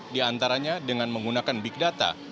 diantaranya dengan menggunakan big data